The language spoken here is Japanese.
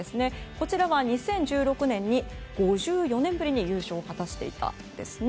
こちらは２０１６年に５４年ぶりに優勝を果たしていたんですね。